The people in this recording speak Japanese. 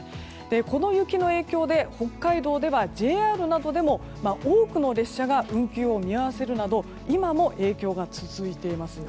この雪の影響で北海道ではＪＲなどでも多くの列車が運転を見合わせるなど今も影響が続いています。